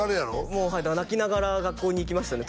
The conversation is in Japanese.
もうはいだから泣きながら学校に行きましたね